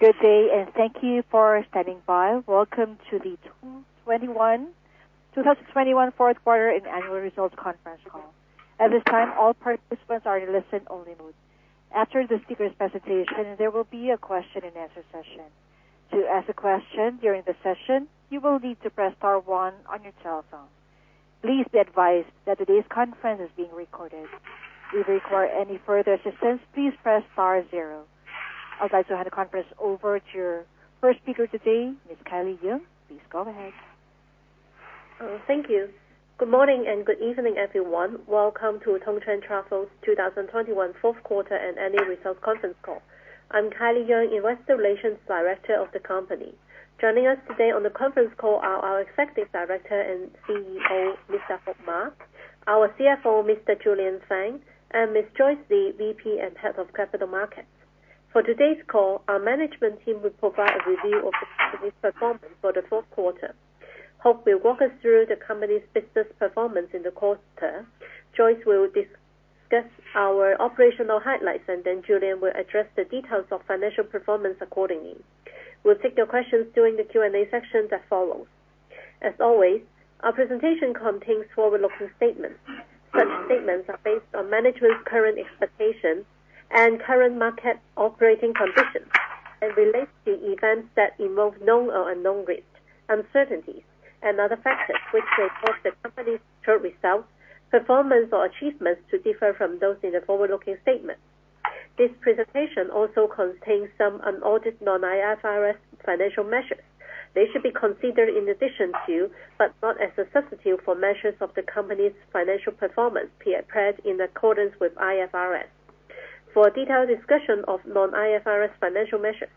Good day, and thank you for standing by. Welcome to the 2021 fourth quarter and annual results conference call. At this time, all participants are in listen-only mode. After the speaker's presentation, there will be a question and answer session. To ask a question during the session, you will need to press star one on your telephone. Please be advised that today's conference is being recorded. If you require any further assistance, please press star zero. I'd like to hand the conference over to your first speaker today, Ms. Kylie Yeung. Please go ahead. Thank you. Good morning, and good evening, everyone. Welcome to Tongcheng Travel's 2021 Fourth Quarter and Annual Results Conference Call. I'm Kylie Yeung, Investor Relations Director of the company. Joining us today on the conference call are our Executive Director and CEO, Mr. Hope Ma, our CFO, Mr. Julian Fang, and Ms. Joyce Lee, VP and Head of Capital Markets. For today's call, our management team will provide a review of the company's performance for the fourth quarter. Hope will walk us through the company's business performance in the quarter. Joyce will discuss our operational highlights, and then Julian will address the details of financial performance accordingly. We'll take your questions during the Q&A session that follows. As always, our presentation contains forward-looking statements. Such statements are based on management's current expectations and current market operating conditions and relates to events that involve known or unknown risks, uncertainties, and other factors which will cause the company's current results, performance, or achievements to differ from those in the forward-looking statement. This presentation also contains some unaudited non-IFRS financial measures. They should be considered in addition to, but not as a substitute for, measures of the company's financial performance prepared in accordance with IFRS. For a detailed discussion of non-IFRS financial measures,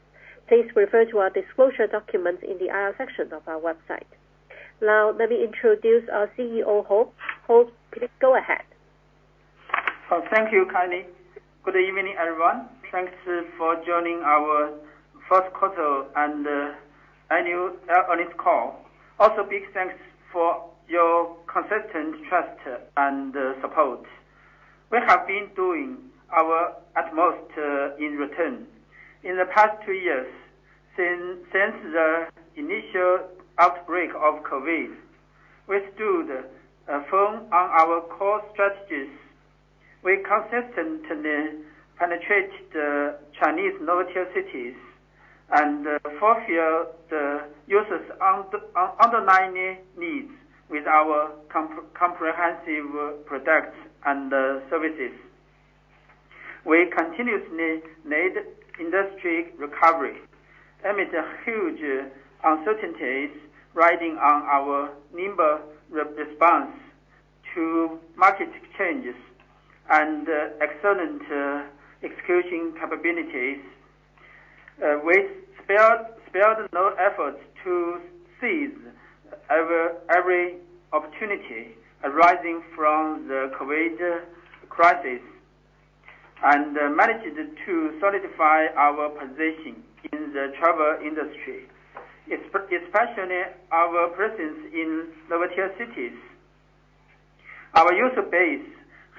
please refer to our disclosure documents in the IR section of our website. Now, let me introduce our CEO, Hope. Hope, please go ahead. Thank you, Kylie. Good evening, everyone. Thanks for joining our fourth quarter and annual earnings call. Also, big thanks for your consistent trust and support. We have been doing our utmost in return. In the past two years since the initial outbreak of COVID, we stood firm on our core strategies. We consistently penetrate the Chinese lower-tier cities and fulfill the users' underlying needs with our comprehensive products and services. We continuously lead industry recovery amid huge uncertainties riding on our nimble response to market changes and excellent execution capabilities. We spared no effort to seize every opportunity arising from the COVID crisis and managed to solidify our position in the travel industry, especially our presence in lower-tier cities. Our user base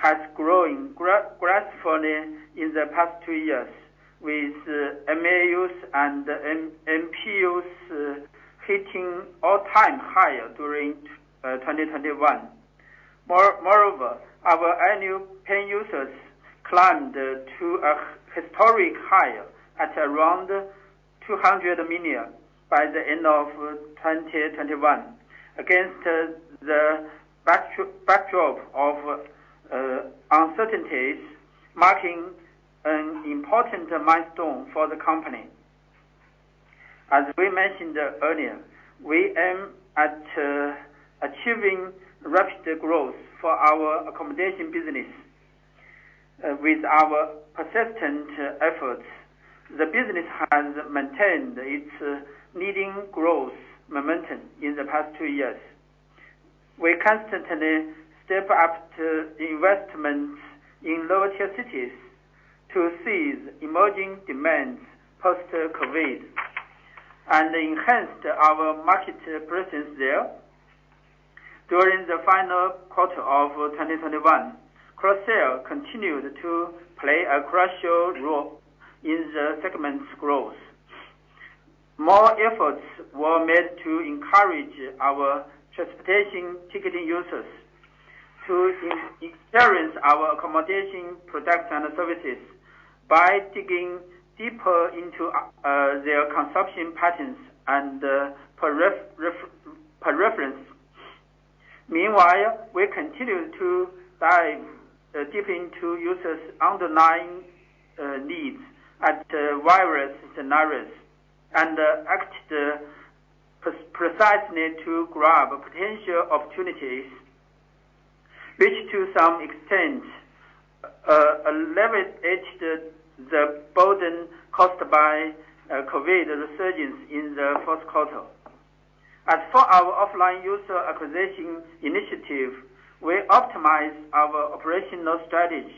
has grown gracefully in the past two years, with MAUs and MPU's hitting all-time high during 2021. Moreover, our annual paying users climbed to a historic high at around 200 million by the end of 2021, against the backdrop of uncertainties, marking an important milestone for the company. As we mentioned earlier, we aim at achieving rapid growth for our accommodation business. With our persistent efforts, the business has maintained its leading growth momentum in the past two years. We constantly step up the investments in lower-tier cities to seize emerging demands post-COVID and enhanced our market presence there. During the final quarter of 2021, cross-sell continued to play a crucial role in the segment's growth. More efforts were made to encourage our transportation ticketing users to experience our accommodation products and services by digging deeper into their consumption patterns and preference. Meanwhile, we continue to dive deep into users' underlying needs at various scenarios and act precisely to grab potential opportunities, which to some extent alleviated the burden caused by COVID resurgence in the fourth quarter. As for our offline user acquisition initiative, we optimized our operational strategy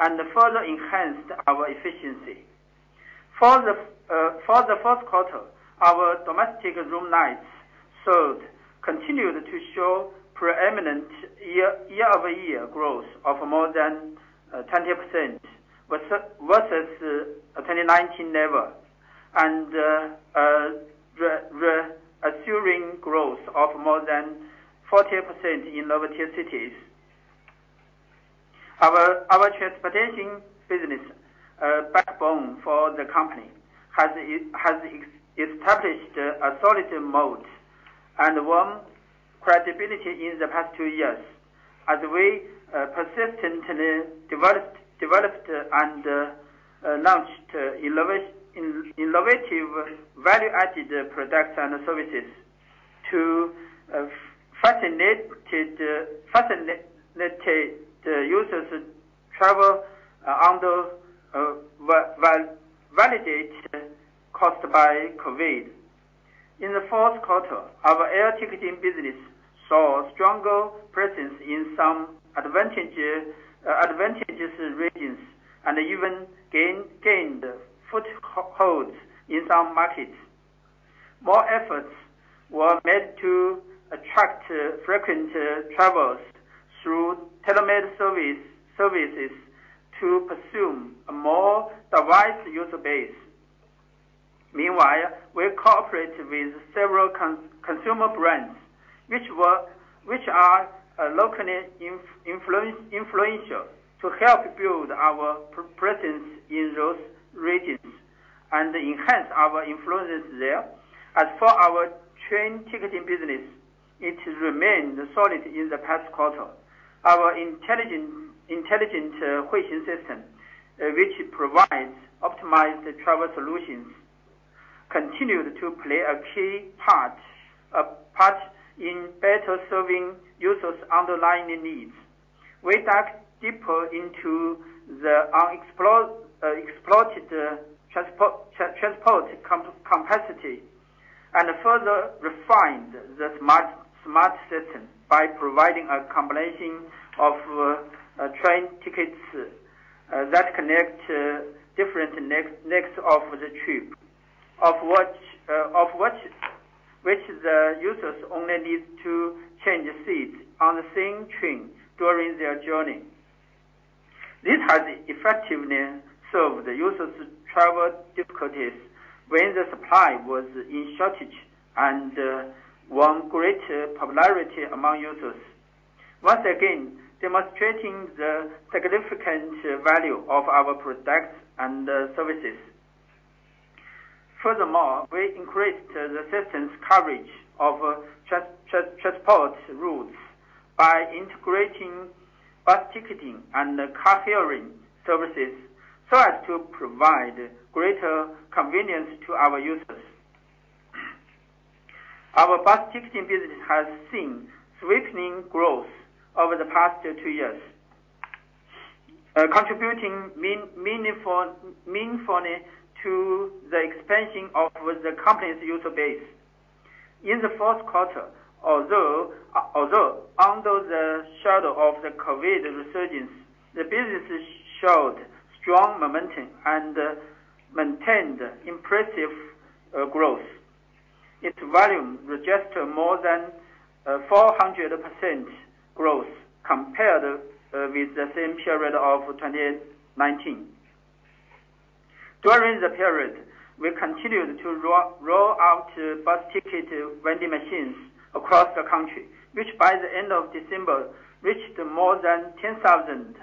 and further enhanced our efficiency. For the first quarter, our domestic room nights. So continued to show preeminent year-over-year growth of more than 20% versus 2019 level, and reassuring growth of more than 40% in lower tier cities. Our transportation business, a backbone for the company, has established a solid moat and won credibility in the past two years as we persistently developed and launched innovative value-added products and services to facilitate users' travel under various variants of COVID. In the fourth quarter, our air ticketing business saw stronger presence in some advantageous regions and even gained foothold in some markets. More efforts were made to attract frequent travelers through telemarketing services to pursue a more diverse user base. Meanwhile, we cooperate with several consumer brands, which are locally influential to help build our presence in those regions and enhance our influence there. As for our train ticketing business, it remained solid in the past quarter. Our intelligent Huixing system, which provides optimized travel solutions, continued to play a key part in better serving users' underlying needs. We dug deeper into the unexploited transport capacity and further refined the smart system by providing a combination of train tickets that connect different legs of the trip, of which the users only need to change seat on the same train during their journey. This has effectively solved users' travel difficulties when the supply was in shortage and won great popularity among users, once again demonstrating the significant value of our products and services. Furthermore, we increased the system's coverage of transport routes by integrating bus ticketing and car sharing services, so as to provide greater convenience to our users. Our bus ticketing business has seen weakening growth over the past two years, contributing meaningfully to the expansion of the company's user base. In the fourth quarter, although under the shadow of the COVID resurgence, the business showed strong momentum and maintained impressive growth. Its volume registered more than 400% growth compared with the same period of 2019. During the period, we continued to roll out bus ticket vending machines across the country, which by the end of December reached more than 10,000.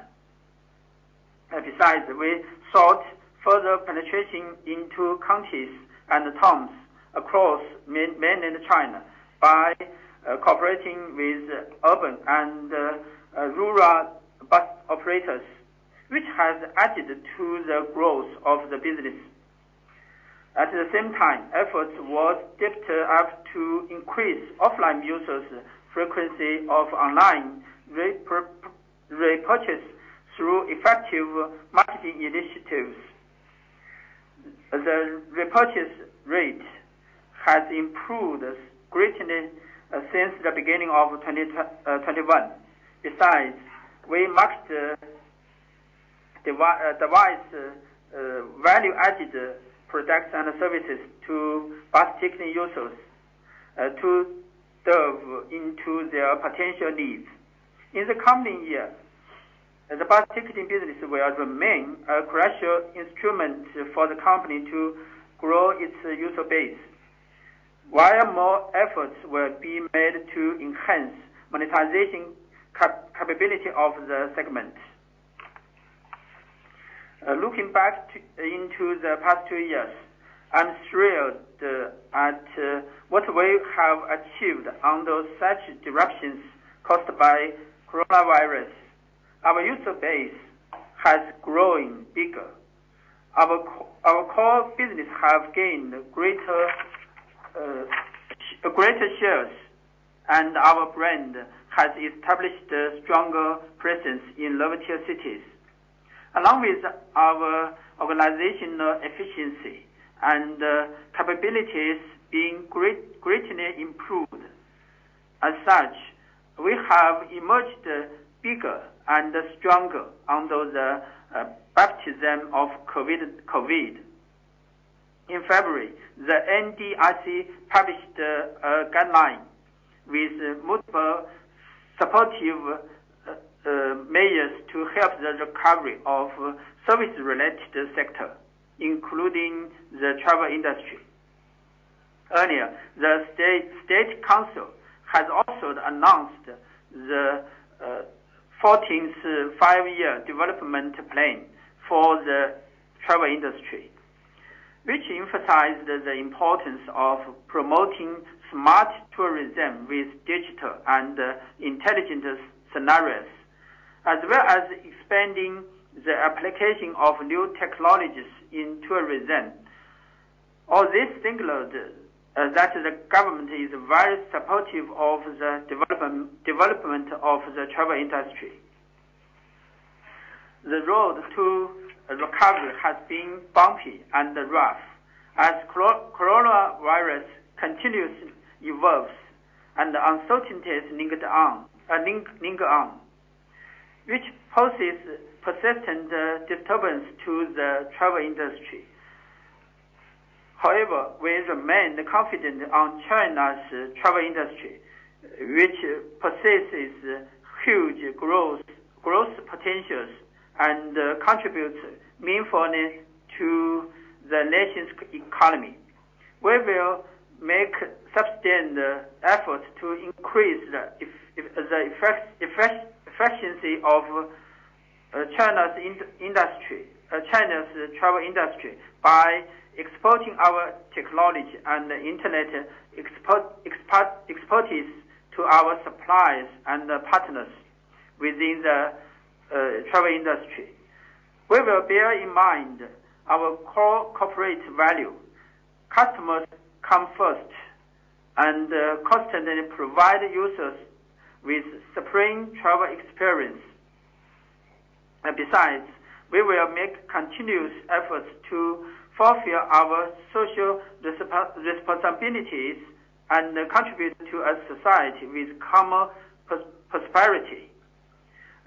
Besides, we sought further penetration into counties and towns across Mainland China by cooperating with urban and rural bus operators, which has added to the growth of the business. At the same time, efforts was stepped up to increase offline users' frequency of online repurchase through effective marketing initiatives. The repurchase rate has improved greatly since the beginning of 2021. Besides, we matched device value-added products and services to bus ticketing users to serve into their potential needs. In the coming year, the bus ticketing business will remain a crucial instrument for the company to grow its user base, while more efforts will be made to enhance monetization capability of the segment. Looking back into the past two years, I'm thrilled at what we have achieved under such disruptions caused by coronavirus. Our user base has grown bigger. Our core business have gained greater shares, and our brand has established a stronger presence in lower tier cities, along with our organizational efficiency and capabilities being greatly improved. As such, we have emerged bigger and stronger under the baptism of COVID. In February, the NDRC published a guideline with multiple supportive measures to help the recovery of service-related sector, including the travel industry. Earlier, the State Council has also announced the 14th Five-Year development plan for the travel industry, which emphasized the importance of promoting smart tourism with digital and intelligent scenarios, as well as expanding the application of new technologies in tourism. All this signaled that the government is very supportive of the development of the travel industry. The road to recovery has been bumpy and rough as coronavirus continues to evolve and uncertainties linger on, which poses persistent disturbance to the travel industry. However, we remain confident on China's travel industry, which possesses huge growth potentials and contributes meaningfully to the nation's economy. We will make sustained efforts to increase the efficiency of China's travel industry by exporting our technology and internet expertise to our suppliers and partners within the travel industry. We will bear in mind our core corporate value, customers come first, and constantly provide users with supreme travel experience. Besides, we will make continuous efforts to fulfill our social responsibilities and contribute to a society with common prosperity.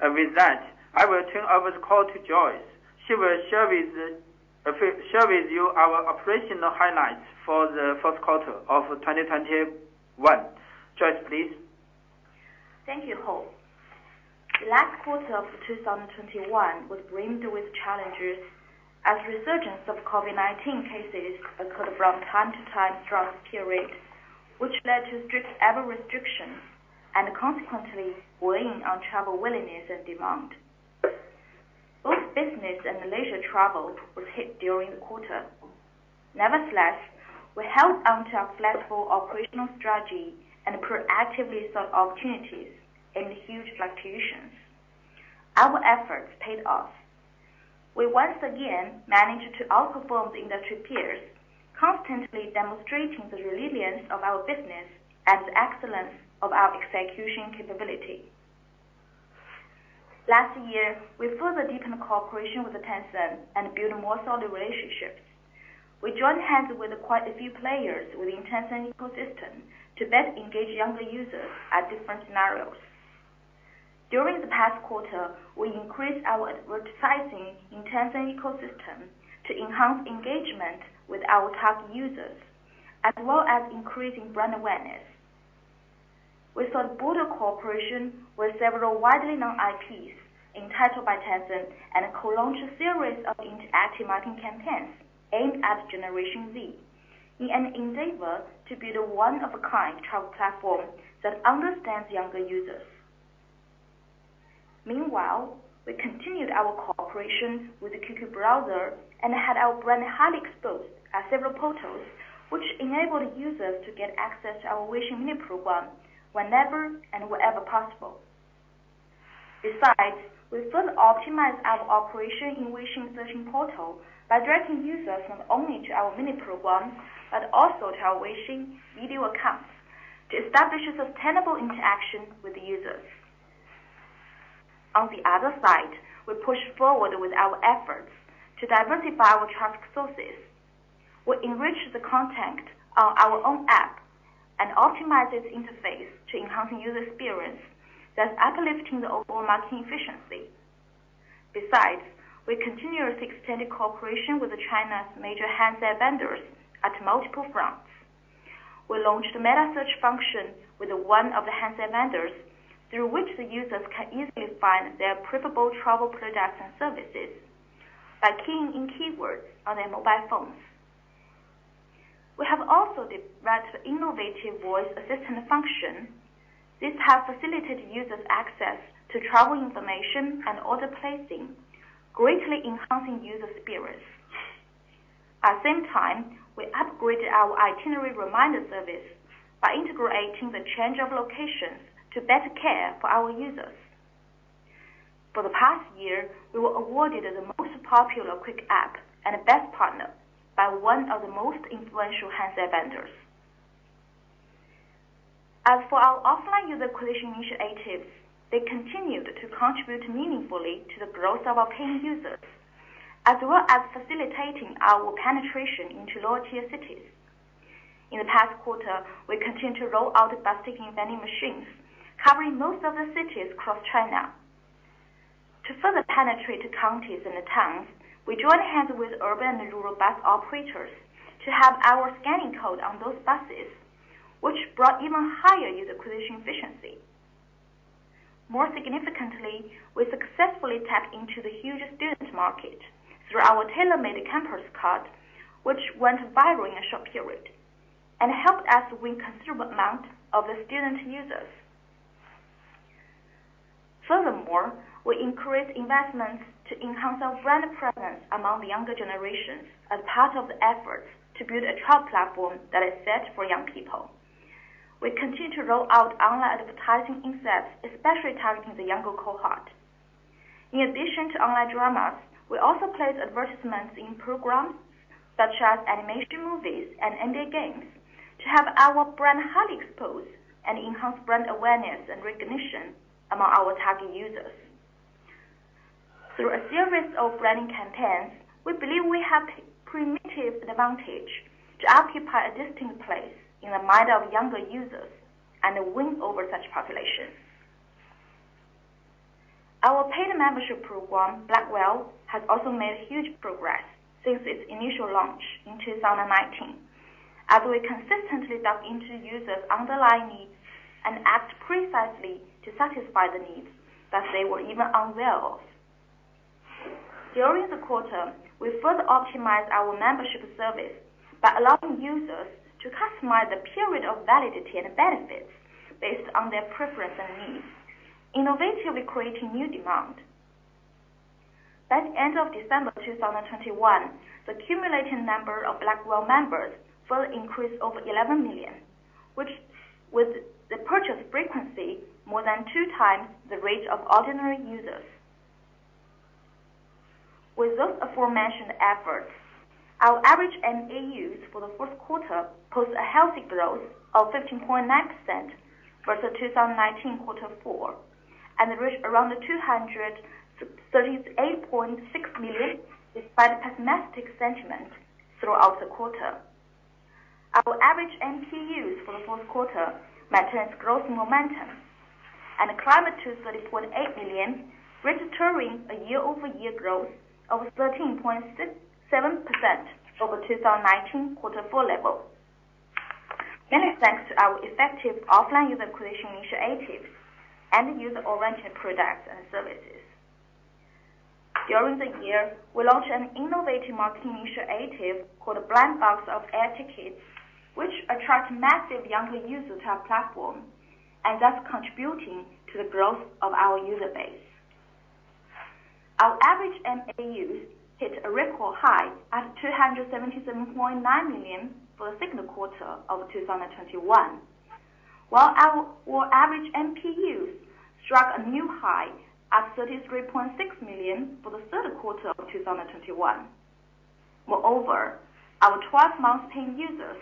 With that, I will turn over the call to Joyce. She will share with you our operational highlights for the first quarter of 2021. Joyce, please. Thank you, Hope. Last quarter of 2021 was brimming with challenges as resurgence of COVID-19 cases occurred from time to time throughout the period, which led to strict travel restrictions and consequently weighing on travel willingness and demand. Both business and leisure travel was hit during the quarter. Nevertheless, we held onto our flexible operational strategy and proactively sought opportunities in the huge fluctuations. Our efforts paid off. We once again managed to outperform the industry peers, constantly demonstrating the resilience of our business and the excellence of our execution capability. Last year, we further deepened cooperation with Tencent and built more solid relationships. We joined hands with quite a few players within Tencent ecosystem to best engage younger users at different scenarios. During the past quarter, we increased our advertising in Tencent ecosystem to enhance engagement with our target users, as well as increasing brand awareness. We sought broader cooperation with several widely known IPs entitled by Tencent and co-launched a series of interactive marketing campaigns aimed at Generation Z in an endeavor to be the one of a kind travel platform that understands younger users. Meanwhile, we continued our cooperation with the QQ Browser and had our brand highly exposed at several portals, which enabled users to get access to our Weixin mini-program whenever and wherever possible. Besides, we further optimized our operation in Weixin searching portal by directing users not only to our mini program, but also to our Weixin video accounts to establish a sustainable interaction with the users. On the other side, we pushed forward with our efforts to diversify our traffic sources. We enriched the content on our own app and optimized its interface to enhancing user experience, thus uplifting the overall marketing efficiency. Besides, we continuously extended cooperation with China's major handset vendors at multiple fronts. We launched meta search function with one of the handset vendors, through which the users can easily find their preferable travel products and services by keying in keywords on their mobile phones. We have also developed innovative voice assistant function. This has facilitated users' access to travel information and order placing, greatly enhancing user experience. At the same time, we upgraded our itinerary reminder service by integrating the change of locations to better care for our users. For the past year, we were awarded the Most Popular Quick App and Best Partner by one of the most influential handset vendors. As for our offline user acquisition initiatives, they continued to contribute meaningfully to the growth of our paying users as well as facilitating our penetration into lower-tier cities. In the past quarter, we continue to roll out the bus ticket vending machines, covering most of the cities across China. To further penetrate the counties and the towns, we joined hands with urban and rural bus operators to have our scanning code on those buses, which brought even higher user acquisition efficiency. More significantly, we successfully tapped into the huge student market through our tailor-made campus card, which went viral in a short period, and helped us win considerable amount of the student users. Furthermore, we increased investments to enhance our brand presence among the younger generations as part of the efforts to build a travel platform that is fit for young people. We continue to roll out online advertising inserts, especially targeting the younger cohort. In addition to online dramas, we also place advertisements in programs such as animation movies and indie games to have our brand highly exposed and enhance brand awareness and recognition among our target users. Through a series of branding campaigns, we believe we have preemptive advantage to occupy a distinct place in the mind of younger users and win over such populations. Our paid membership program, Black Whale, has also made huge progress since its initial launch in 2019, as we consistently dug into users' underlying needs and act precisely to satisfy the needs that they were even unaware of. During the quarter, we further optimized our membership service by allowing users to customize the period of validity and benefits based on their preference and needs, innovatively creating new demand. By end of December 2021, the cumulative number of Black Whale members further increased over 11 million, which, with the purchase frequency more than two times the rate of ordinary users. With those aforementioned efforts, our average MAUs for the fourth quarter posed a healthy growth of 15.9% versus 2019 quarter four, and reached around 238.6 million, despite the pessimistic sentiment throughout the quarter. Our average MPUs for the fourth quarter maintains growth momentum and climbed to 30.8 million, registering a year-over-year growth of 13.67% over 2019 quarter four level. Many thanks to our effective offline user acquisition initiatives and user-oriented products and services. During the year, we launched an innovative marketing initiative called Blind Box of Air Tickets, which attract massive younger users to our platform, and thus contributing to the growth of our user base. Our average MAUs hit a record high at 277.9 million for the second quarter of 2021. While our average MPUs struck a new high at 33.6 million for the third quarter of 2021. Moreover, our 12 months paying users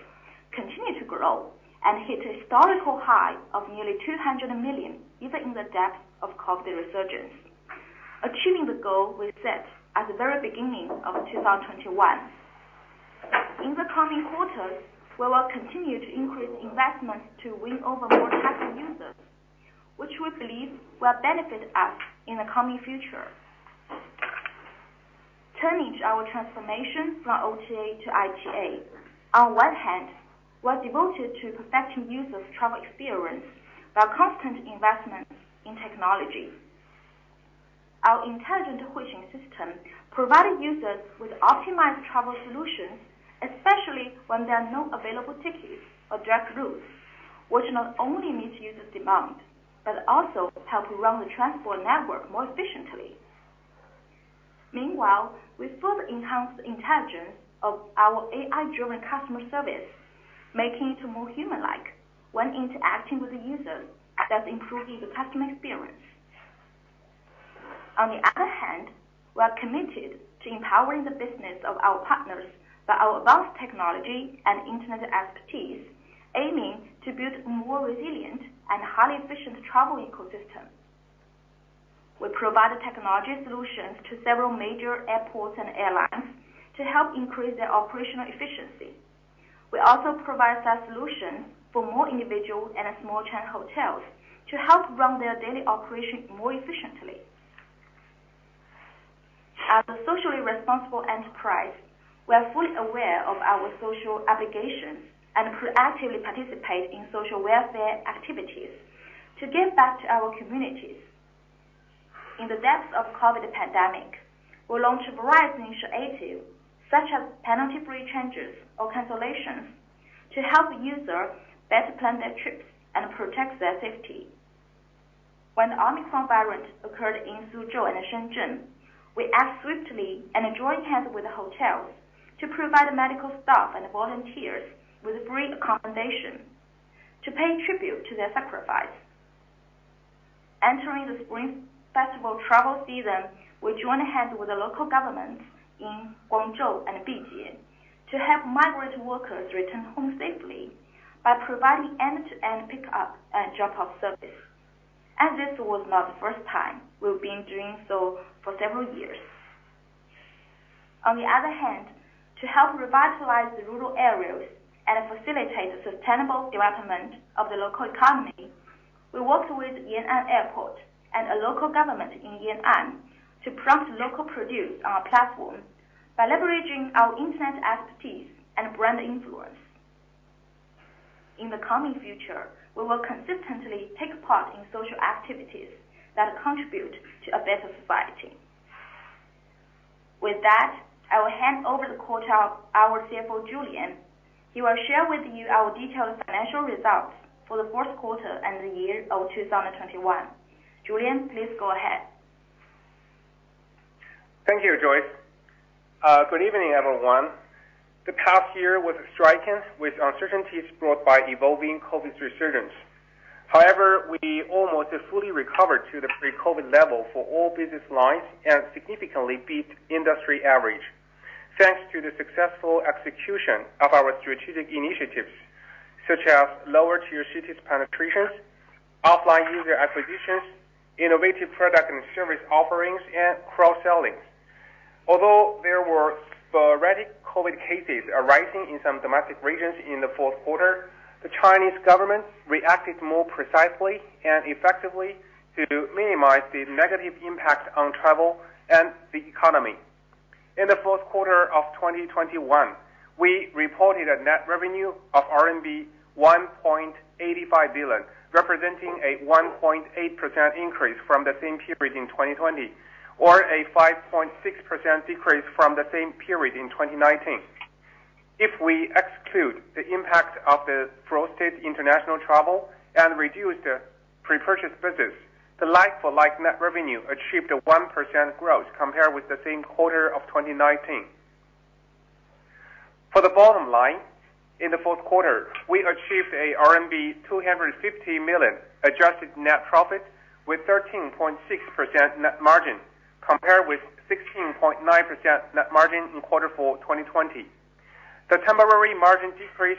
continued to grow and hit a historical high of nearly 200 million, even in the depth of COVID resurgence, achieving the goal we set at the very beginning of 2021. In the coming quarters, we will continue to increase investments to win over more target users, which we believe will benefit us in the coming future. Turning to our transformation from OTA to ITA. On one hand, we are devoted to perfecting users' travel experience by constant investments in technology. Our intelligent Huixing system provided users with optimized travel solutions, especially when there are no available tickets or direct routes, which not only meets users' demand, but also help run the transport network more efficiently. Meanwhile, we further enhanced the intelligence of our AI-driven customer service, making it more human-like when interacting with the users, thus improving the customer experience. On the other hand, we are committed to empowering the business of our partners by our advanced technology and internet expertise, aiming to build more resilient and highly efficient travel ecosystem. We provide technology solutions to several major airports and airlines to help increase their operational efficiency. We also provide such solutions for more individual and small chain hotels to help run their daily operations more efficiently. As a socially responsible enterprise, we are fully aware of our social obligations and could actively participate in social welfare activities to give back to our communities. In the depths of COVID pandemic, we launched various initiatives such as penalty-free changes or cancellations to help users better plan their trips and protect their safety. When the Omicron variant occurred in Suzhou and Shenzhen, we act swiftly and joined hands with the hotels to provide medical staff and volunteers with free accommodation to pay tribute to their sacrifice. Entering the spring festival travel season, we joined hands with the local government in Guangzhou and Bijie to help migrant workers return home safely by providing end-to-end pickup and drop-off service. This was not the first time we've been doing so for several years. On the other hand, to help revitalize the rural areas and facilitate the sustainable development of the local economy, we worked with Yan'an Airport and a local government in Yan'an to promote local produce on our platform by leveraging our internet expertise and brand influence. In the coming future, we will consistently take part in social activities that contribute to a better society. With that, I will hand over the call to our CFO, Julian. He will share with you our detailed financial results for the fourth quarter and the year of 2021. Julian Fang, please go ahead. Thank you, Joyce. Good evening, everyone. The past year was striking with uncertainties brought by evolving COVID resurgence. However, we almost fully recovered to the pre-COVID level for all business lines and significantly beat industry average. Thanks to the successful execution of our strategic initiatives, such as lower tier cities penetrations, offline user acquisitions, innovative product and service offerings, and cross-selling. Although there were sporadic COVID cases arising in some domestic regions in the fourth quarter, the Chinese government reacted more precisely and effectively to minimize the negative impact on travel and the economy. In the fourth quarter of 2021, we reported a net revenue of RMB 1.85 billion, representing a 1.8% increase from the same period in 2020, or a 5.6% decrease from the same period in 2019. If we exclude the impact of the frozen international travel and reduce the pre-purchase visits, the like-for-like net revenue achieved a 1% growth compared with the same quarter of 2019. For the bottom line, in the fourth quarter, we achieved RMB 250 million adjusted net profit with 13.6% net margin compared with 16.9% net margin in quarter four, 2020. The temporary margin decrease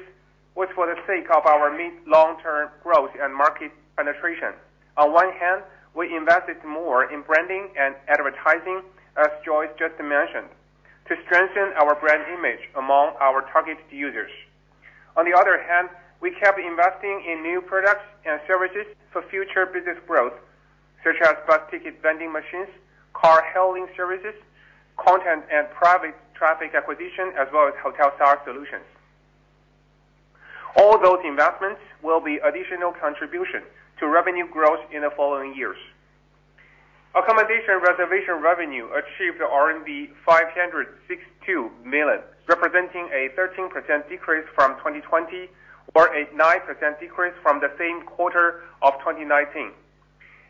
was for the sake of our mid- to long-term growth and market penetration. On one hand, we invested more in branding and advertising, as Joyce just mentioned, to strengthen our brand image among our targeted users. On the other hand, we kept investing in new products and services for future business growth, such as bus ticket vending machines, car hailing services, content and private traffic acquisition, as well as Hotel Star solutions. All those investments will be additional contribution to revenue growth in the following years. Accommodation reservation revenue achieved RMB 562 million, representing a 13% decrease from 2020 or a 9% decrease from the same quarter of 2019.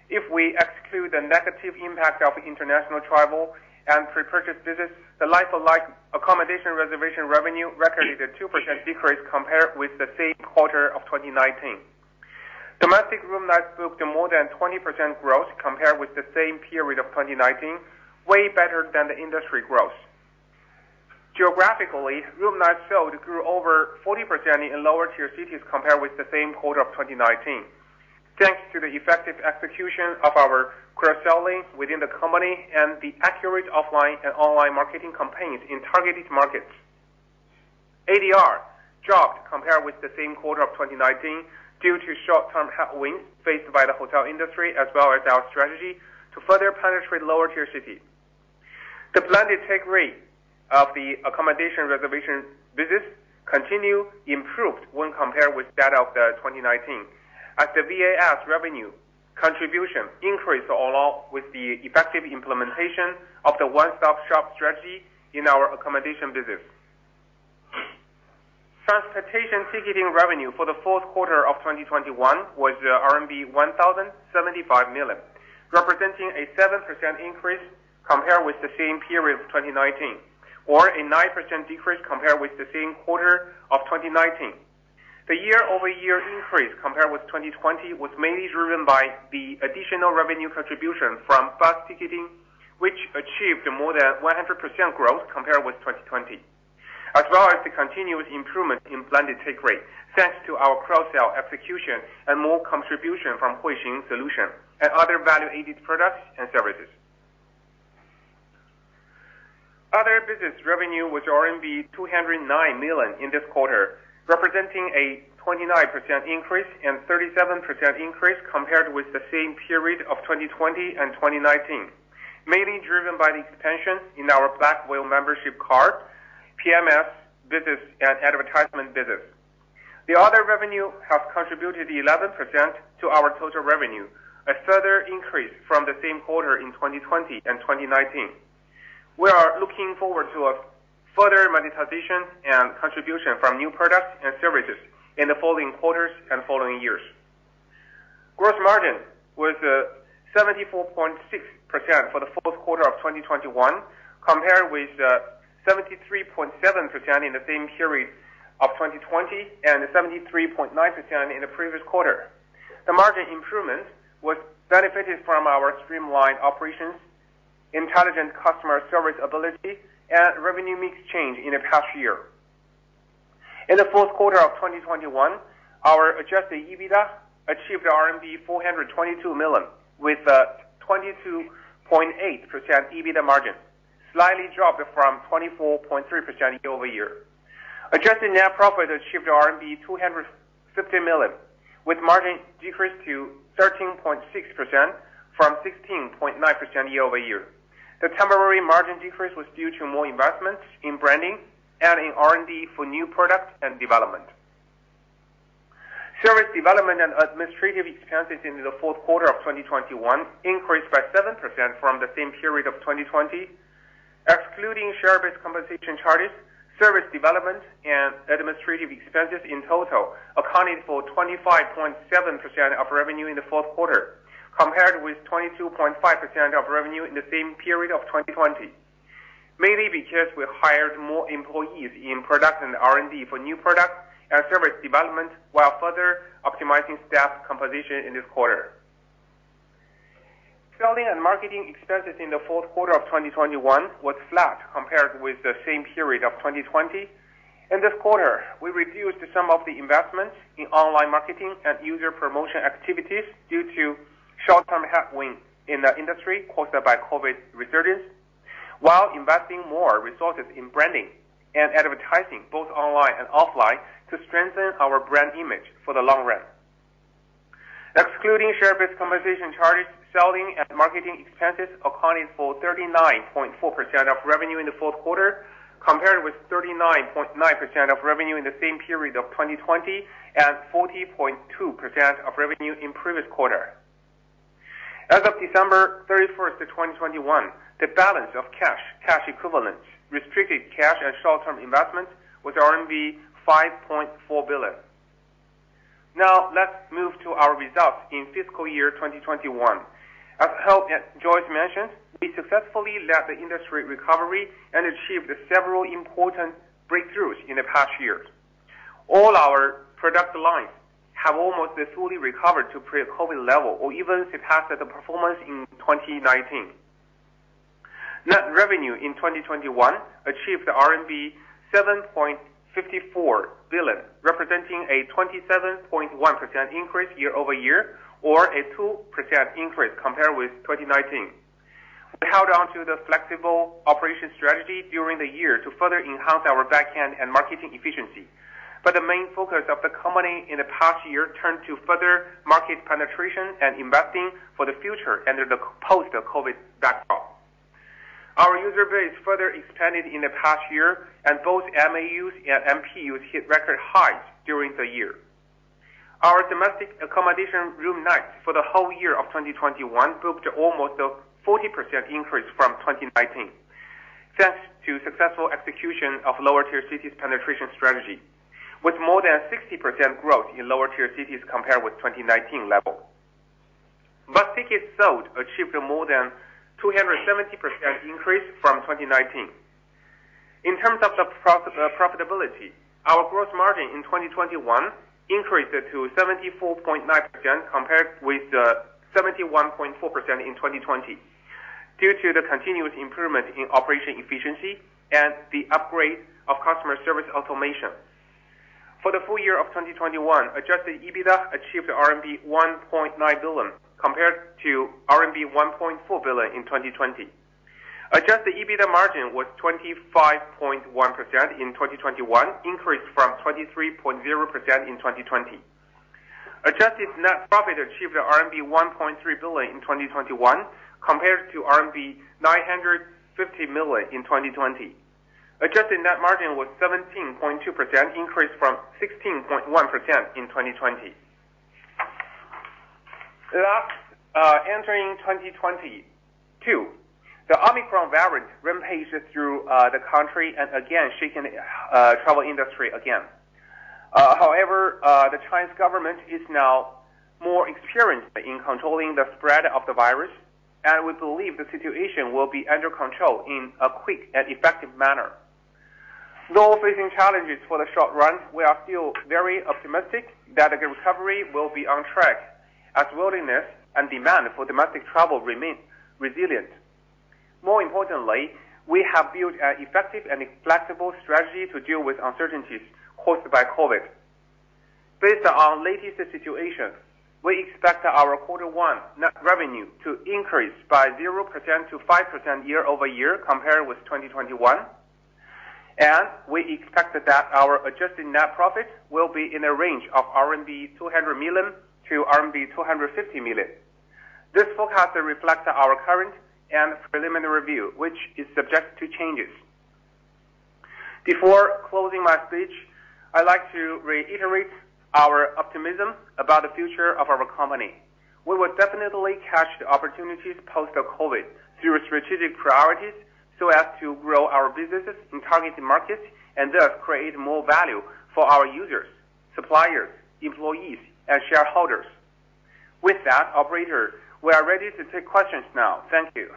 If we exclude the negative impact of international travel and pre-purchase visits, the like-for-like accommodation reservation revenue recorded a 2% decrease compared with the same quarter of 2019. Domestic room nights booked more than 20% growth compared with the same period of 2019, way better than the industry growth. Geographically, room nights sold grew over 40% in lower tier cities compared with the same quarter of 2019. Thanks to the effective execution of our cross-selling within the company and the accurate offline and online marketing campaigns in targeted markets. ADR dropped compared with the same quarter of 2019 due to short-term headwinds faced by the hotel industry, as well as our strategy to further penetrate lower tier cities. The blended take rate of the accommodation reservation business continued to improve when compared with that of 2019 as the VAS revenue contribution increased along with the effective implementation of the one-stop-shop strategy in our accommodation business. Transportation ticketing revenue for the fourth quarter of 2021 was RMB 1,075 million, representing a 7% increase compared with the same period of 2019, or a 9% decrease compared with the same quarter of 2019. The year-over-year increase compared with 2020 was mainly driven by the additional revenue contribution from bus ticketing, which achieved more than 100% growth compared with 2020, as well as the continuous improvement in blended take rate, thanks to our cross-sale execution and more contribution from Huixing solution and other value-added products and services. Other business revenue was RMB 209 million in this quarter, representing a 29% increase and 37% increase compared with the same period of 2020 and 2019, mainly driven by the expansion in our Black Whale membership card, PMS business, and advertisement business. The other revenue have contributed 11% to our total revenue, a further increase from the same quarter in 2020 and 2019. We are looking forward to a further monetization and contribution from new products and services in the following quarters and following years. Gross margin was 74.6% for the fourth quarter of 2021, compared with 73.7% in the same period of 2020 and 73.9% in the previous quarter. The margin improvement was benefited from our streamlined operations, intelligent customer service ability, and revenue mix change in the past year. In the fourth quarter of 2021, our adjusted EBITDA achieved RMB 422 million, with a 22.8% EBITDA margin, slightly dropped from 24.3% year-over-year. Adjusted net profit achieved RMB 250 million, with margin decreased to 13.6% from 16.9% year-over-year. The temporary margin decrease was due to more investments in branding and in R&D for new product development. Service development and administrative expenses in the fourth quarter of 2021 increased by 7% from the same period of 2020. Excluding share-based compensation charges, service development and administrative expenses in total accounted for 25.7% of revenue in the fourth quarter, compared with 22.5% of revenue in the same period of 2020, mainly because we hired more employees in product and R&D for new products and service development while further optimizing staff composition in this quarter. Selling and marketing expenses in the fourth quarter of 2021 was flat compared with the same period of 2020. In this quarter, we reduced some of the investments in online marketing and user promotion activities due to short-term headwind in the industry caused by COVID resurgence, while investing more resources in branding and advertising, both online and offline, to strengthen our brand image for the long run. Excluding share-based compensation charges, selling and marketing expenses accounted for 39.4% of revenue in the fourth quarter, compared with 39.9% of revenue in the same period of 2020 and 40.2% of revenue in previous quarter. As of December 31st, 2021, the balance of cash equivalents, restricted cash and short-term investments was RMB 5.4 billion. Now let's move to our results in fiscal year 2021. As Hope, Joyce mentioned, we successfully led the industry recovery and achieved several important breakthroughs in the past years. All our product lines have almost fully recovered to pre-COVID level or even surpassed the performance in 2019. Net revenue in 2021 achieved RMB 7.54 billion, representing a 27.1% increase year-over-year or a 2% increase compared with 2019. We held on to the flexible operation strategy during the year to further enhance our back end and marketing efficiency. The main focus of the company in the past year turned to further market penetration and investing for the future under the post-COVID backdrop. Our user base further expanded in the past year, and both MAUs and MPUs hit record highs during the year. Our domestic accommodation room nights for the whole year of 2021 booked almost a 40% increase from 2019, thanks to successful execution of lower tier cities penetration strategy, with more than 60% growth in lower tier cities compared with 2019 level. Bus tickets sold achieved more than 270% increase from 2019. In terms of profitability, our gross margin in 2021 increased to 74.9% compared with 71.4% in 2020, due to the continuous improvement in operational efficiency and the upgrade of customer service automation. For the full year of 2021, adjusted EBITDA achieved RMB 1.9 billion compared to RMB 1.4 billion in 2020. Adjusted EBITDA margin was 25.1% in 2021, increased from 23.0% in 2020. Adjusted net profit achieved RMB 1.3 billion in 2021 compared to RMB 950 million in 2020. Adjusted net margin was 17.2% increase from 16.1% in 2020. Entering 2022, the Omicron variant rampaged through the country and again shaken the travel industry again. However, the Chinese government is now more experienced in controlling the spread of the virus, and we believe the situation will be under control in a quick and effective manner. Though facing challenges for the short run, we are still very optimistic that the recovery will be on track as willingness and demand for domestic travel remain resilient. More importantly, we have built an effective and flexible strategy to deal with uncertainties caused by COVID. Based on latest situation, we expect our quarter one net revenue to increase by 0% to 5% year-over-year compared with 2021, and we expect that our adjusted net profit will be in a range of 200 million-250 million RMB. This forecast reflects our current and preliminary view, which is subject to changes. Before closing my speech, I'd like to reiterate our optimism about the future of our company. We will definitely catch the opportunities post-COVID through strategic priorities, so as to grow our businesses in targeted markets and thus create more value for our users, suppliers, employees and shareholders. With that, operator, we are ready to take questions now. Thank you.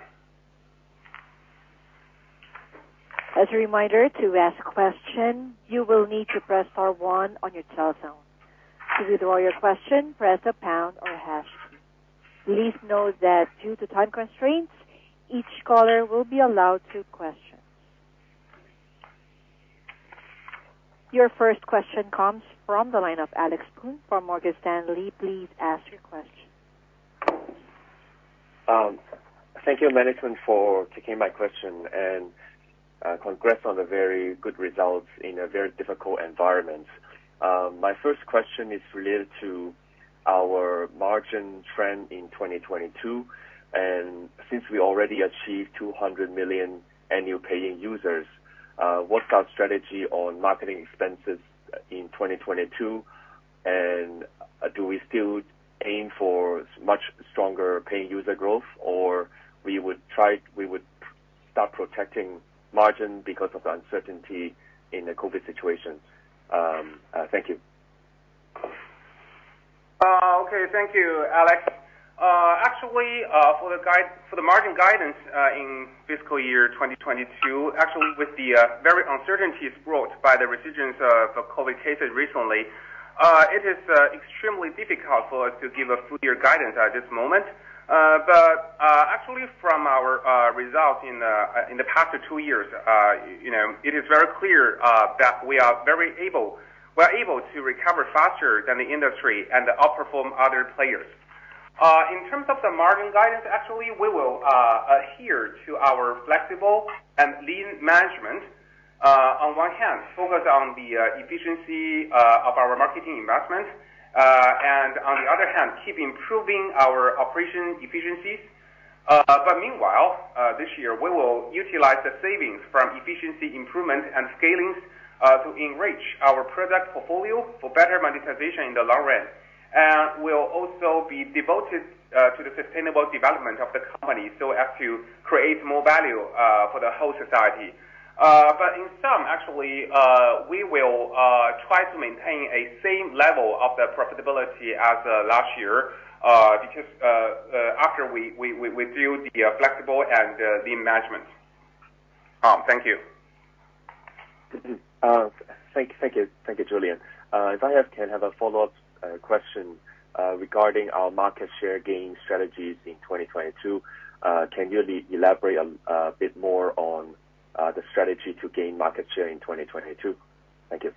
As a reminder, to ask question, you will need to press star one on your telephone. To withdraw your question, press a pound or hash. Please note that due to time constraints, each caller will be allowed two questions. Your first question comes from the line of Alex Poon from Morgan Stanley. Please ask your question. Thank you management for taking my question and, congrats on the very good results in a very difficult environment. My first question is related to our margin trend in 2022. Since we already achieved 200 million annual paying users, what's our strategy on marketing expenses in 2022? Do we still aim for much stronger paying user growth? Or we would start protecting margin because of the uncertainty in the COVID situation? Thank you. Okay. Thank you, Alex. Actually, for the margin guidance in fiscal year 2022, actually with the very uncertainties brought by the resurgence of COVID cases recently, it is extremely difficult for us to give a full year guidance at this moment. Actually from our results in the past two years, you know, it is very clear that we are able to recover faster than the industry and outperform other players. In terms of the margin guidance, actually, we will adhere to our flexible and lean management. On one hand, focus on the efficiency of our marketing investment. On the other hand, keep improving our operational efficiencies. Meanwhile, this year, we will utilize the savings from efficiency improvement and scalings to enrich our product portfolio for better monetization in the long run. We'll also be devoted to the sustainable development of the company so as to create more value for the whole society. In sum, actually, we will try to maintain a same level of the profitability as last year, because after we do the flexible and the lean management. Thank you. Thank you, Julian. If I can have a follow-up question regarding our market share gain strategies in 2022. Can you elaborate a bit more on the strategy to gain market share in 2022? Thank you.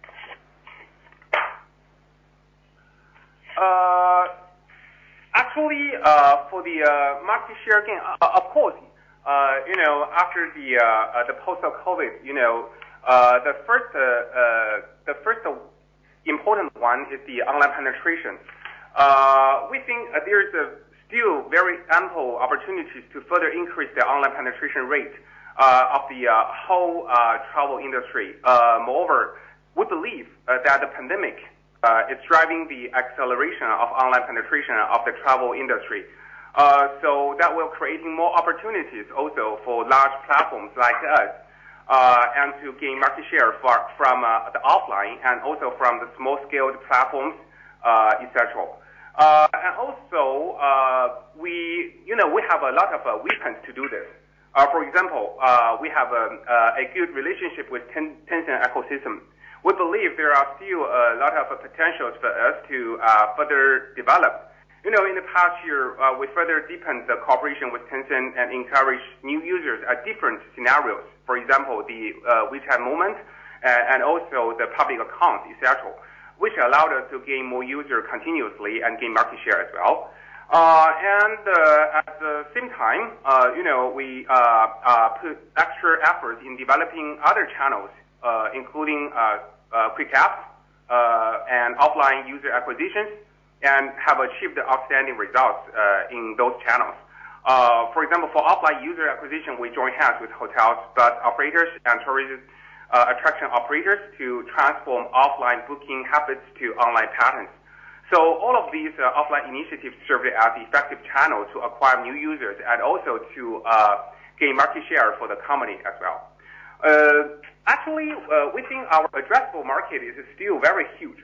Actually, for the market share gain, of course, you know, after the post-COVID, you know, the first important one is the online penetration. We think there is still very ample opportunities to further increase the online penetration rate of the whole travel industry. Moreover, we believe that the pandemic is driving the acceleration of online penetration of the travel industry. That will create more opportunities also for large platforms like us, and to gain market share from the offline and also from the small-scale platforms, et cetera. Also, you know, we have a lot of weapons to do this. For example, we have a good relationship with Tencent ecosystem. We believe there are still a lot of potential for us to further develop. You know, in the past year, we further deepened the cooperation with Tencent and encouraged new users at different scenarios. For example, the WeChat Moments and also the public account, et cetera, which allowed us to gain more user continuously and gain market share as well. At the same time, you know, we put extra effort in developing other channels, including quick apps and offline user acquisitions, and have achieved outstanding results in those channels. For example, for offline user acquisition, we join hands with hotels, bus operators and tourism attraction operators to transform offline booking habits to online patterns. All of these offline initiatives serve as effective channels to acquire new users and also to gain market share for the company as well. Actually, we think our addressable market is still very huge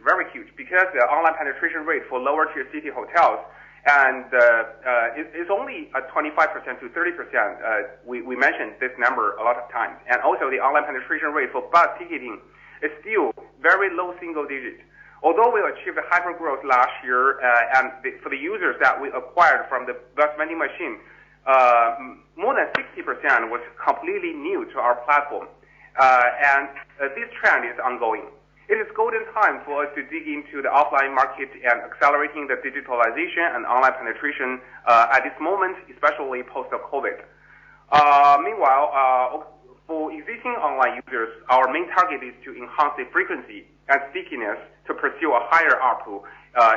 because the online penetration rate for lower tier city hotels and is only at 25%-30%. We mentioned this number a lot of times. Also the online penetration rate for bus ticketing is still very low single digits. Although we achieved a hyper growth last year, and for the users that we acquired from the bus vending machine, more than 60% was completely new to our platform. This trend is ongoing. It is golden time for us to dig into the offline market and accelerating the digitalization and online penetration at this moment, especially post-COVID. Meanwhile, for existing online users, our main target is to enhance the frequency and stickiness to pursue a higher ARPU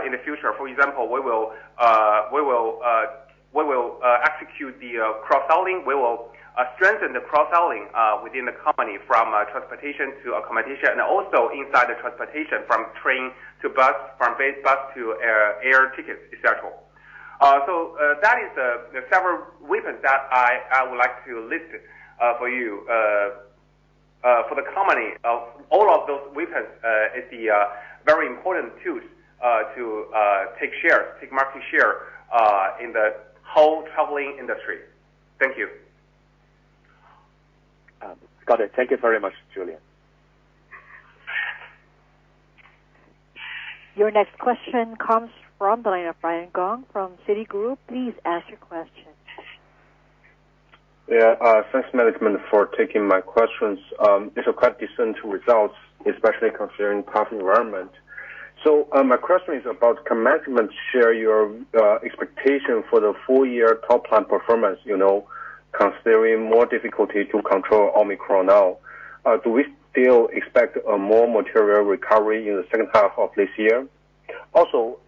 in the future. For example, we will execute the cross-selling. We will strengthen the cross-selling within the company from transportation to accommodation and also inside the transportation from train to bus, from bus to air tickets, etc. That is several weapons that I would like to list for you. For the company, all of those weapons are very important tools to take market share in the whole travel industry. Got it. Thank you very much, Julian. Your next question comes from the line of Brian Gong from Citigroup. Please ask your question. Yeah, thanks management for taking my questions. It's a quite decent results, especially considering current environment. My question is about can management share your expectation for the full year top line performance, you know, considering more difficulty to control Omicron now? Do we still expect a more material recovery in the second half of this year? Also,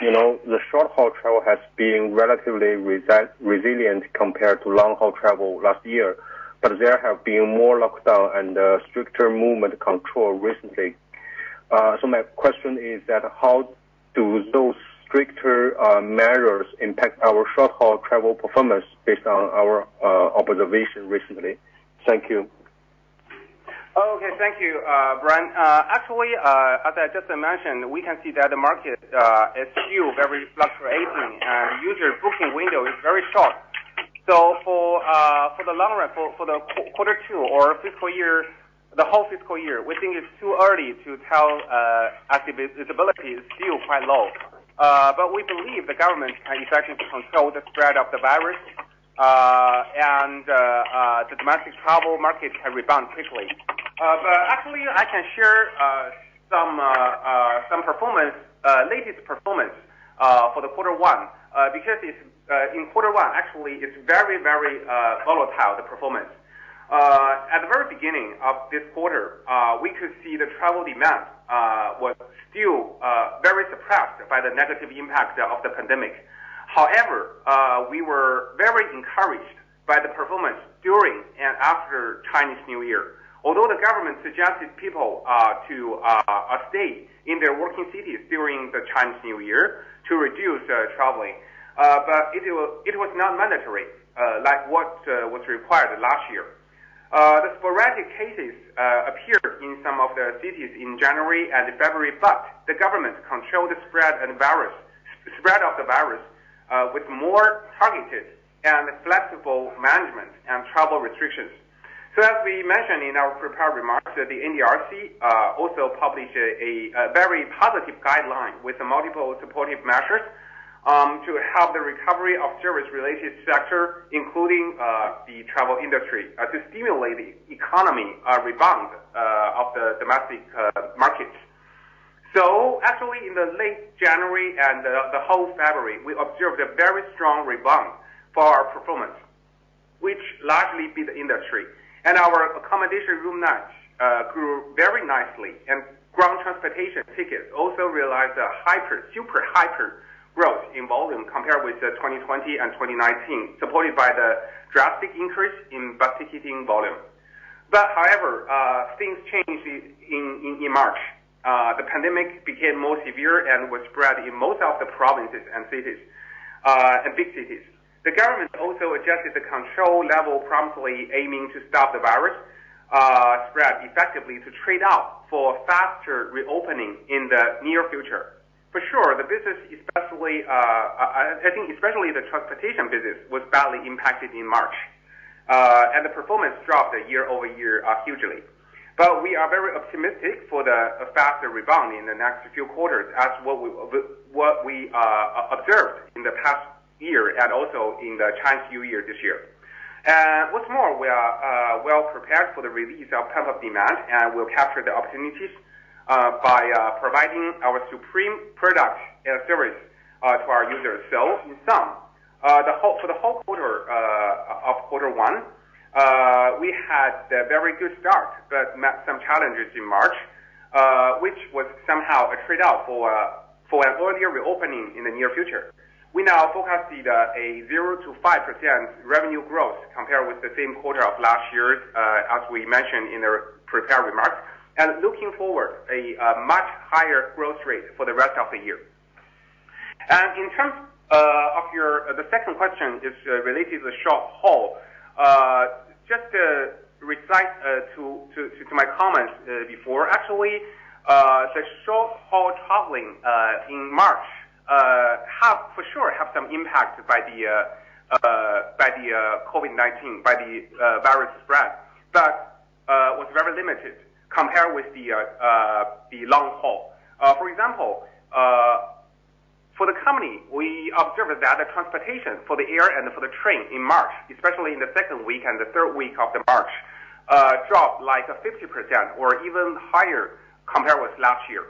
you know, the short-haul travel has been relatively resilient compared to long-haul travel last year. There have been more lockdown and stricter movement control recently. My question is that how do those stricter measures impact our short-haul travel performance based on our observation recently? Thank you. Okay, thank you, Brian. Actually, as I just mentioned, we can see that the market is still very fluctuating. User booking window is very short. For the long run, for Q2 or fiscal year, the whole fiscal year, we think it's too early to tell, as the visibility is still quite low. We believe the government can effectively control the spread of the virus, and the domestic travel market can rebound quickly. Actually I can share some latest performance for Q1, because in Q1 actually it's very volatile, the performance. At the very beginning of this quarter, we could see the travel demand was still very suppressed by the negative impact of the pandemic. However, we were very encouraged by the performance during and after Chinese New Year. Although the government suggested people to stay in their working cities during the Chinese New Year to reduce traveling, but it was not mandatory, like what was required last year. The sporadic cases appeared in some of the cities in January and February, but the government controlled the spread of the virus with more targeted and flexible management and travel restrictions. As we mentioned in our prepared remarks, the NDRC also published a very positive guideline with multiple supportive measures to help the recovery of service-related sector, including the travel industry to stimulate economy rebound of the domestic market. Actually, in the late January and the whole February, we observed a very strong rebound for our performance, which largely beat the industry. Our accommodation room nights grew very nicely, and ground transportation tickets also realized a hyper, super hyper growth in volume compared with the 2020 and 2019, supported by the drastic increase in bus ticketing volume. However, things changed in March. The pandemic became more severe and was spread in most of the provinces and cities and big cities. The government also adjusted the control level promptly aiming to stop the virus spread effectively to trade-off for faster reopening in the near future. For sure, the business especially, I think especially the transportation business was badly impacted in March, and the performance dropped year-over-year, hugely. We are very optimistic for a faster rebound in the next few quarters as what we observed in the past year and also in the Chinese New Year this year. What's more, we are well prepared for the release of pent-up demand and we'll capture the opportunities by providing our supreme product and service to our users. In sum, for the whole quarter of quarter one, we had a very good start but met some challenges in March, which was somehow a trade-off for an earlier reopening in the near future. We now forecast a 0%-5% revenue growth compared with the same quarter of last year, as we mentioned in our prepared remarks, and looking forward much higher growth rate for the rest of the year. In terms of your second question is related to short haul. Just to recite to my comments before. Actually, the short-haul traveling in March have, for sure, some impact by the COVID-19, by the virus spread, but was very limited compared with the long haul. For example, for the company, we observed that the transportation for the air and for the train in March, especially in the second week and the third week of March, dropped like 50% or even higher compared with last year.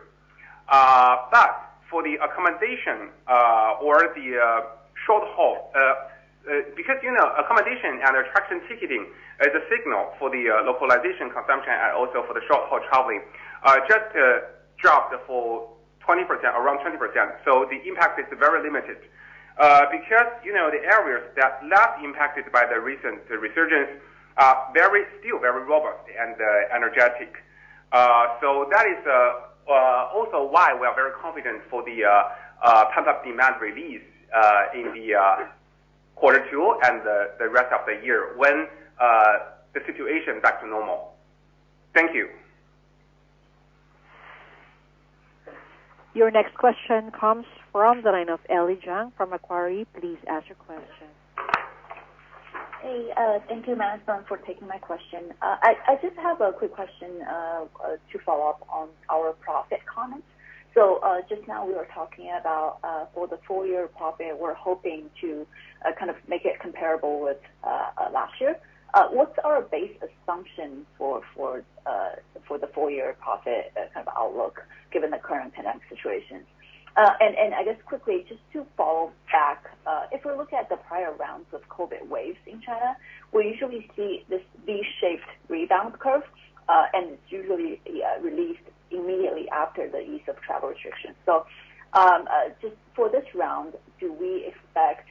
For the accommodation or the short haul, because, you know, accommodation and attraction ticketing is a signal for the localization consumption and also for the short-haul traveling, just dropped for 20%, around 20%. The impact is very limited. Because, you know, the areas that not impacted by the recent resurgence are still very robust and energetic. That is also why we are very confident for the pent-up demand release in the quarter two and the rest of the year when the situation back to normal. Thank you. Your next question comes from the line of Ellie Jiang from Macquarie. Please ask your question. Hey, thank you management for taking my question. I just have a quick question to follow up on our profit comments. Just now we were talking about for the full year profit, we're hoping to kind of make it comparable with last year. What's our base assumption for the full year profit kind of outlook given the current pandemic situation? I guess quickly just to follow back, if we look at the prior rounds of COVID waves in China, we usually see this V-shaped rebound curve, and it's usually released immediately after the ease of travel restrictions. Just for this round, do we expect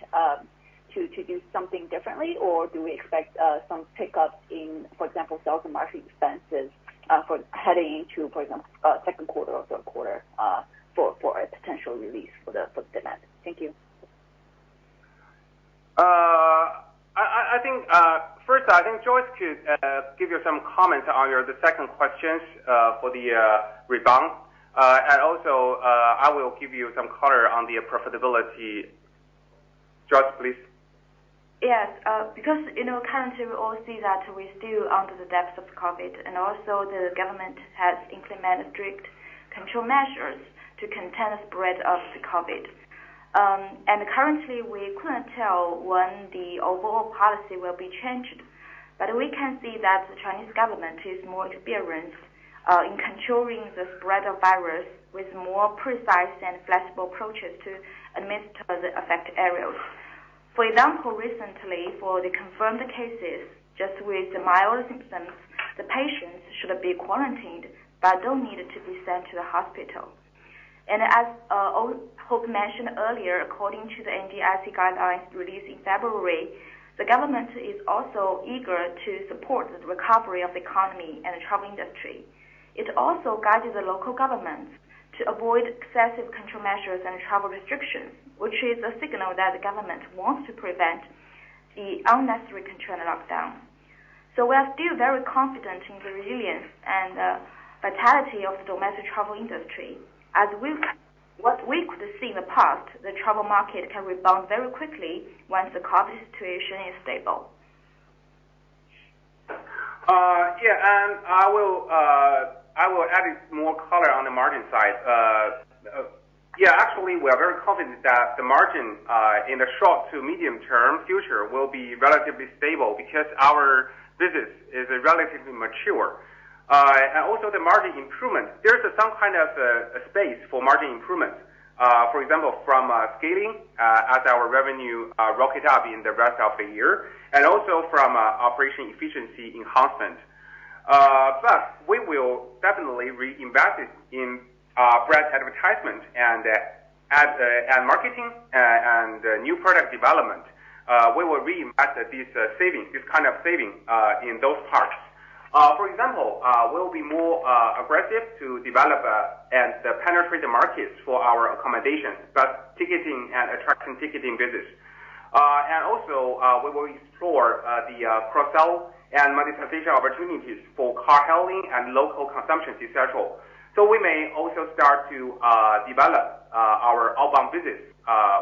to do something differently, or do we expect some pickup in, for example, sales and marketing expenses for heading into, for example, second quarter or third quarter, for a potential release for the demand? Thank you. First, I think Joyce could give you some comments on the second question for the rebound. Also, I will give you some color on the profitability. Joyce, please. Yes. Because, you know, currently we all see that we're still under the depths of COVID, and also the government has implemented strict control measures to contain the spread of the COVID. Currently we couldn't tell when the overall policy will be changed. We can see that the Chinese government is more experienced in controlling the spread of virus with more precise and flexible approaches to administer the affected areas. For example, recently, for the confirmed cases, just with mild symptoms, the patients should be quarantined but don't need to be sent to the hospital. As Hope mentioned earlier, according to the NDRC guidelines released in February, the government is also eager to support the recovery of the economy and the travel industry. It also guides the local government to avoid excessive control measures and travel restrictions, which is a signal that the government wants to prevent the unnecessary control and lockdown. We are still very confident in the resilience and vitality of the domestic travel industry. What we could see in the past, the travel market can rebound very quickly once the COVID situation is stable. Yeah, I will add more color on the margin side. Actually, we are very confident that the margin in the short- to medium-term future will be relatively stable because our business is relatively mature. Also, the margin improvement. There is some kind of space for margin improvement, for example, from scaling as our revenue rockets up in the rest of the year, and also from operational efficiency enhancement. Plus, we will definitely reinvest it in brand advertisement and ad marketing and new product development. We will reinvest these savings, this kind of savings, in those parts. For example, we'll be more aggressive to develop and penetrate the markets for our accommodation, plus ticketing and attraction ticketing business. We will explore the cross-sell and monetization opportunities for car hailing and local consumption, et cetera. We may also start to develop our outbound business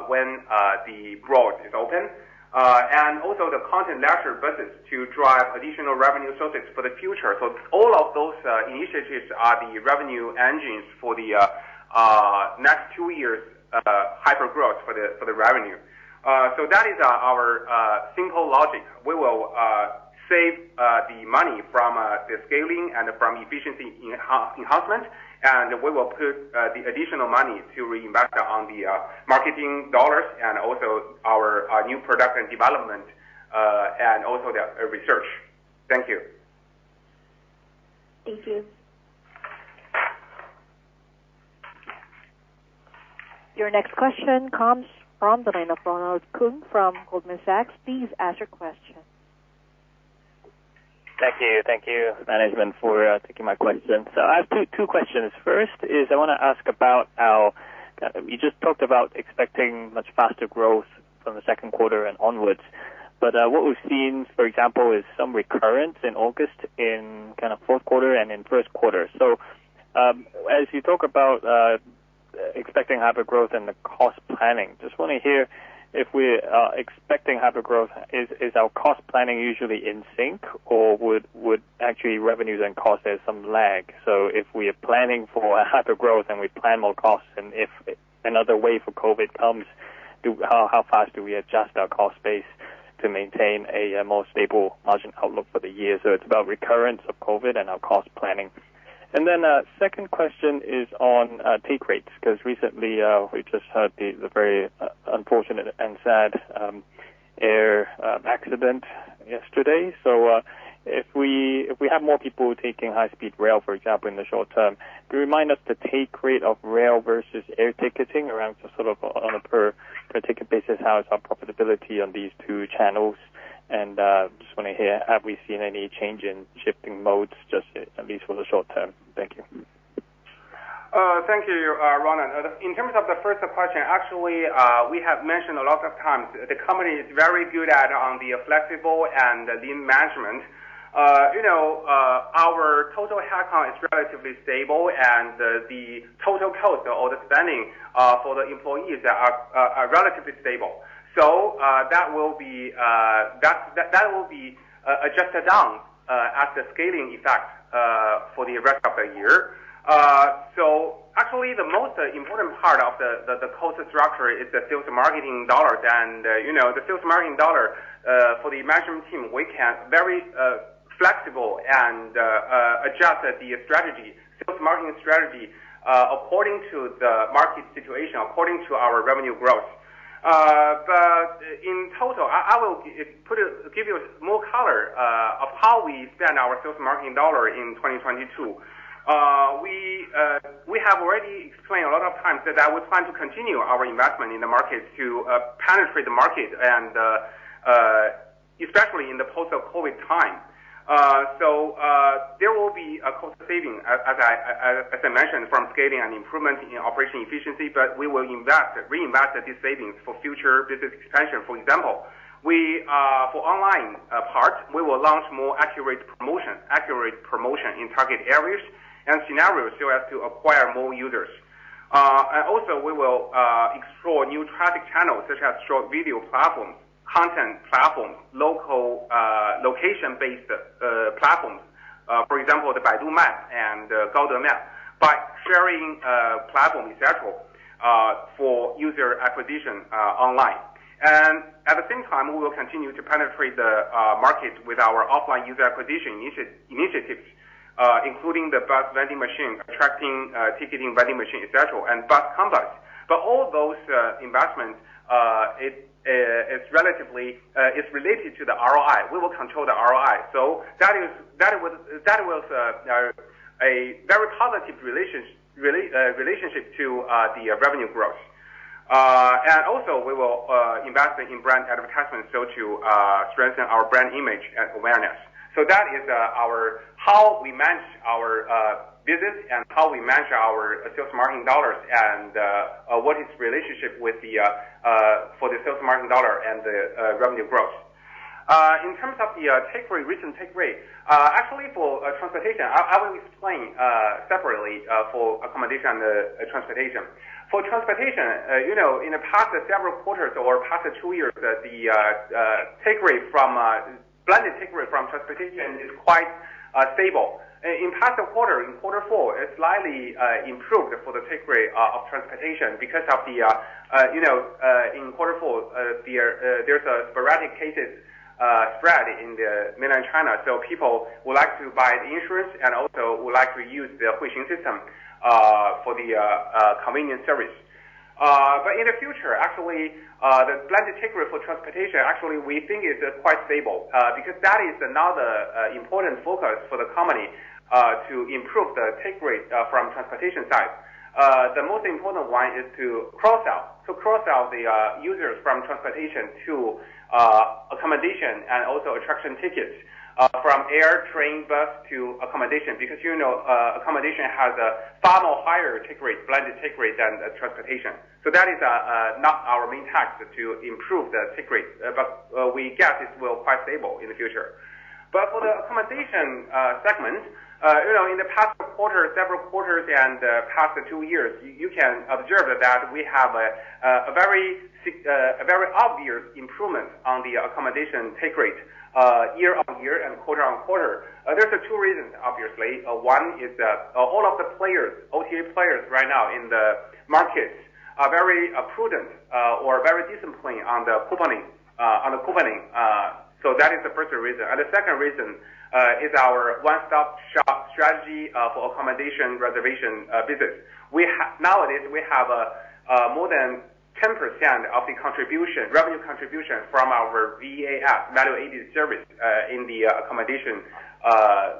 when the road is open, and also the content leisure business to drive additional revenue sources for the future. All of those initiatives are the revenue engines for the next two years' hypergrowth for the revenue. That is our simple logic. We will save the money from the scaling and from efficiency enhancement, and we will put the additional money to reinvest on the marketing dollars and also our new product and development, and also the research. Thank you. Thank you. Your next question comes from the line of Ronald Keung from Goldman Sachs. Please ask your question. Thank you. Thank you management for taking my question. I have two questions. First is I wanna ask about how you just talked about expecting much faster growth from the second quarter and onwards. What we've seen, for example, is some recurrence in August, in kind of fourth quarter and in first quarter. As you talk about expecting hypergrowth and the cost planning, just wanna hear if we are expecting hypergrowth, is our cost planning usually in sync or would actually revenues and costs have some lag? If we are planning for a hypergrowth and we plan more costs and if another wave of COVID comes, how fast do we adjust our cost base to maintain a more stable margin outlook for the year? It's about recurrence of COVID and our cost planning. Second question is on take rates, 'cause recently we just had the very unfortunate and sad air accident yesterday. If we have more people taking high speed rail, for example, in the short term, could you remind us the take rate of rail versus air ticketing around sort of on a per ticket basis? How is our profitability on these two channels? Just wanna hear have we seen any change in shifting modes, just at least for the short term? Thank you. Thank you, Ronald. In terms of the first question, actually, we have mentioned a lot of times the company is very good at on the flexible and lean management. You know, our total headcount is relatively stable and the total cost or the spending for the employees are relatively stable. That will be adjusted down as a scaling effect for the rest of the year. Actually the most important part of the cost structure is the sales marketing dollars. You know, the sales marketing dollar for the management team, we can very flexible and adjust the strategy, sales marketing strategy, according to the market situation, according to our revenue growth. In total, I will give you more color of how we spend our sales marketing dollar in 2022. We have already explained a lot of times that I would plan to continue our investment in the market to penetrate the market and especially in the post-COVID time. There will be a cost saving as I mentioned from scaling and improvement in operation efficiency, but we will reinvest these savings for future business expansion. For example, for online part, we will launch more accurate promotion in target areas and scenarios so as to acquire more users. We will explore new traffic channels such as short video platform, content platform, local location-based platform. For example, the Baidu Maps and Gaode Map by sharing platform, et cetera, for user acquisition online. At the same time we will continue to penetrate the market with our offline user acquisition initiatives, including the bus vending machine, attraction ticketing vending machine, et cetera, and bus conductors. All those investments, it is relatively related to the ROI. We will control the ROI. That was a very positive relationship to the revenue growth. Also we will invest in brand advertisement so to strengthen our brand image and awareness. That is our how we manage our business and how we manage our sales marketing dollars and what its relationship with the for the sales marketing dollar and the revenue growth. In terms of the take rate, recent take rate, actually for transportation, I will explain separately for accommodation and transportation. For transportation, you know, in the past several quarters or past two years, the blended take rate from transportation is quite stable. In the past quarter, in quarter four, it slightly improved for the take rate of transportation because of the, you know, in quarter four, there's a sporadic cases spread in the mainland China, so people would like to buy the insurance and also would like to use the Huixing system for the convenient service. In the future, actually, the blended take rate for transportation, actually we think is quite stable, because that is another important focus for the company to improve the take rate from transportation side. The most important one is to cross-sell the users from transportation to accommodation and also attraction tickets from air, train, bus to accommodation because, you know, accommodation has a far more higher take rate, blended take rate than transportation. That is not our main task to improve the take rate, but we guess it will be quite stable in the future. For the Accommodation segment, you know, in the past quarter, several quarters and past two years, you can observe that we have a very obvious improvement on the accommodation take rate year-over-year and quarter-over-quarter. There are two reasons obviously. One is that all of the players, OTA players right now in the markets are very prudent or very disciplined on the couponing. That is the first reason. The second reason is our one-stop-shop strategy for accommodation reservation business. Nowadays, we have more than 10% of the contribution, revenue contribution from our VAS, value-added service, in the accommodation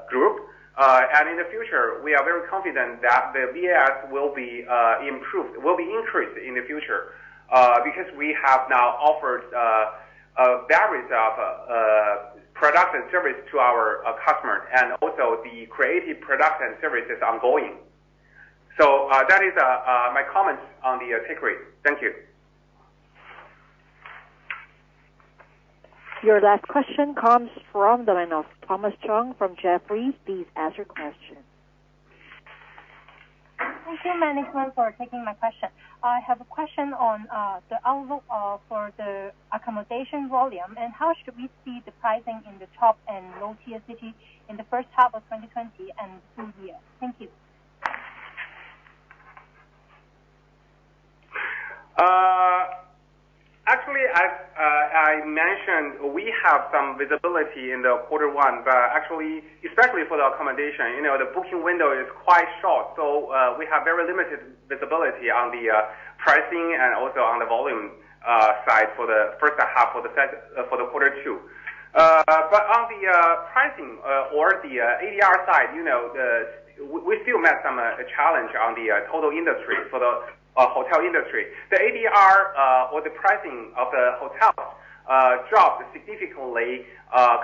group. In the future, we are very confident that the VAS will be improved, will be increased in the future, because we have now offered a variety of product and service to our customer and also the creative product and service is ongoing. That is my comments on the take rate. Thank you. Your last question comes from the line of Thomas Chong from Jefferies. Please ask your question. Thank you, management, for taking my question. I have a question on the outlook for the accommodation volume, and how should we see the pricing in the top and low-tier city in the first half of 2020 and through the year? Thank you. Actually, as I mentioned, we have some visibility in quarter one, but actually, especially for the accommodation, you know, the booking window is quite short. We have very limited visibility on the pricing and also on the volume side for the first half of the—for the quarter two. But on the pricing, or the ADR side, you know, we still met some challenge on the total industry for the hotel industry. The ADR, or the pricing of the hotel, dropped significantly,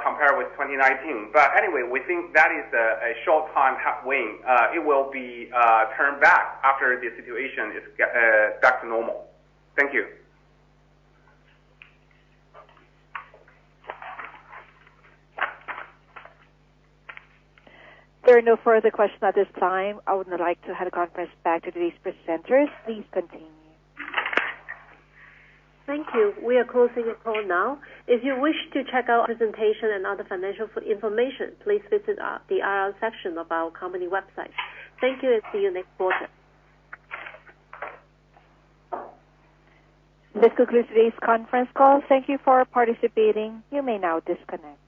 compared with 2019. Anyway, we think that is a short-term headwind and it will be turned back after the situation is back to normal. Thank you. There are no further questions at this time. I would now like to hand the conference back to today's presenters. Please continue. Thank you. We are closing the call now. If you wish to check our presentation and other financial information, please visit the IR section of our company website. Thank you and see you next quarter. This concludes today's conference call. Thank you for participating. You may now disconnect.